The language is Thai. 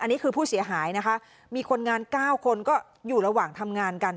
อันนี้คือผู้เสียหายนะคะมีคนงาน๙คนก็อยู่ระหว่างทำงานกัน